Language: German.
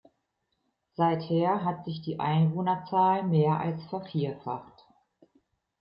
Seither hat sich die Einwohnerzahl mehr als vervierfacht.